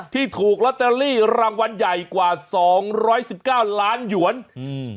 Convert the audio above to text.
ที่ถูกลอตเตอรี่รางวัลใหญ่กว่าสองร้อยสิบเก้าล้านหยวนอืม